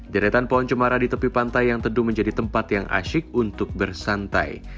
deretan pohon cemara di tepi pantai yang teduh menjadi tempat yang asyik untuk bersantai